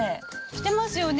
してますよね。